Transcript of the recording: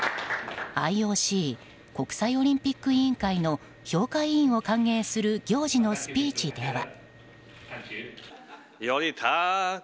ＩＯＣ国際オリンピック委員会の評価委員を歓迎する行事のスピーチでは。